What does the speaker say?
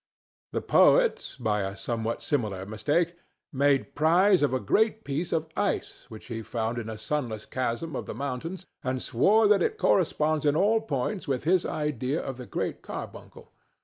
The poet, by a somewhat similar mistake, made prize of a great piece of ice which he found in a sunless chasm of the mountains, and swore that it corresponded in all points with his idea of the Great Carbuncle.